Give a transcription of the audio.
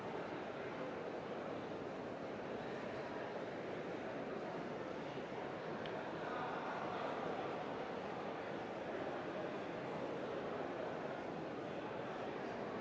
yang ditempatkan sepuluh berdekatan dari ivanda ke